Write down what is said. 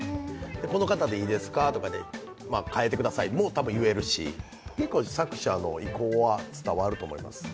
この方でいいですか？とか、変えてくださいも多分言えるし、結構作者の意向は伝わると思います。